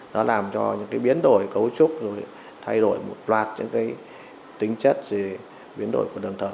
nó làm cho những biến đổi cấu trúc thay đổi một loạt tính chất biến đổi của đường thở